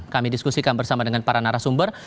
kami diskusikan bersama dengan para narasumber